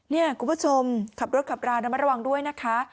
นี่คุณผู้ชมขับรถขับราระมัดระวังด้วยนะคะ